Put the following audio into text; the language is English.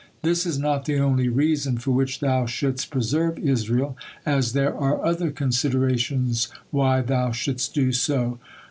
This is not the only reason for which Thou shouldst preserve Israel, as there are other considerations why Thou shouldst do so.